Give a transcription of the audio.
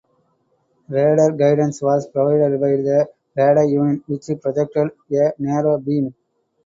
Radar guidance was provided by a radar unit which projected a narrow beam.